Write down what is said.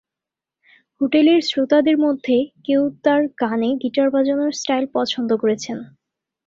হোটেলের শ্রোতাদের মধ্যে কেউ তাঁর গানে গিটার বাজানোর স্টাইল পছন্দ করেছেন।